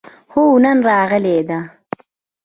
هو، نن راغلې ده